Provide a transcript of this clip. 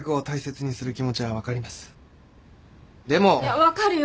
分かるよ